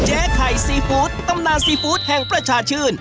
ไข่ซีฟู้ดตำนานซีฟู้ดแห่งประชาชื่น